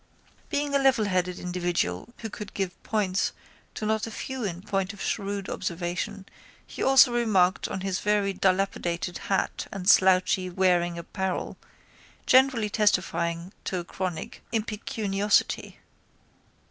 Being a levelheaded individual who could give points to not a few in point of shrewd observation he also remarked on his very dilapidated hat and slouchy wearing apparel generally testifying to a chronic impecuniosity.